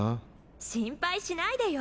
心配しないでよ